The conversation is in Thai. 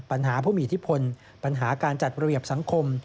ปัญหาผู้มีอิทธิพลปัญหาการจัดระเบียบสังคม